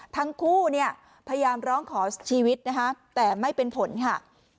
ทั้งคู่เนี่ยพยายามร้องขอชีวิตนะคะแต่ไม่เป็นผลค่ะ